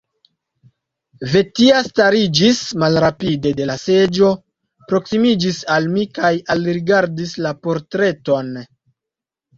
Vetiha stariĝis malrapide de la seĝo, proksimiĝis al mi kaj alrigardis la portreton.